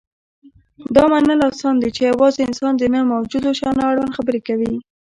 دا منل اسان دي، چې یواځې انسان د نه موجودو شیانو اړوند خبرې کوي.